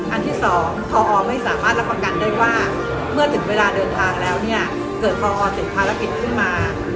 อันที่สองพอไม่สามารถรับประกันได้ว่าเมื่อถึงเวลาเดินทางแล้วเนี่ยเกิดพอติดภารกิจขึ้นมา